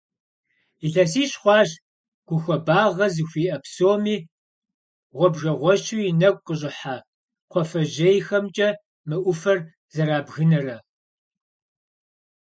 Илъэсищ хъуащ гу хуабагъэ зыхуиӏэ псоми, гъуабжэгъуэщу и нэгу къыщӏыхьэ кхъуафэжьейхэмкӏэ мы ӏуфэр зэрабгынэрэ.